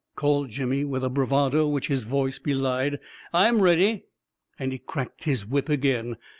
" called Jimmy, with a bravado which his voice belied. " Fm ready !" and he cracked his whip again.